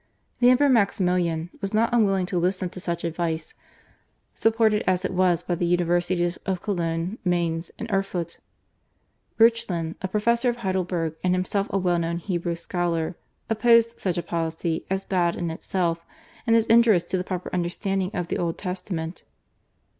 The Emperor, Maximilian, was not unwilling to listen to such advice supported as it was by the universities of Cologne, Mainz, and Erfut. Reuchlin, a professor of Heidelberg and himself a well known Hebrew scholar, opposed such a policy as bad in itself and as injurious to the proper understanding of the Old Testament.